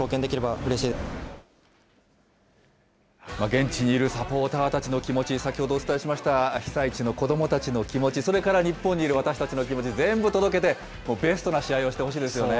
現地にいるサポーターたちの気持ち、先ほどお伝えしました被災地の子どもたちの気持ち、それから日本にいる私たちの気持ち、全部届けて、ベストな試合をしてほしいですよね。